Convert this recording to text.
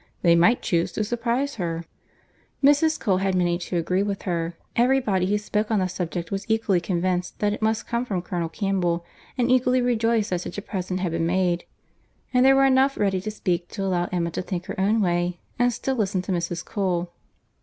They might chuse to surprize her." Mrs. Cole had many to agree with her; every body who spoke on the subject was equally convinced that it must come from Colonel Campbell, and equally rejoiced that such a present had been made; and there were enough ready to speak to allow Emma to think her own way, and still listen to Mrs. Cole.